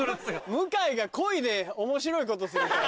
向井が鯉で面白いことするから。